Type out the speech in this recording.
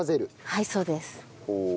はいそうです。